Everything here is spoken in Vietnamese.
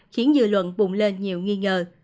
khiến dự luận bùng lên nhiều nghi ngờ